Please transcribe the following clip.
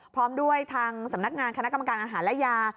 พร้อมด้วยทางสำนักงานคณะกรรมการอาหารและยา